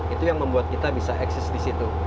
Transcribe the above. itu yang membuat kita bisa eksis di situ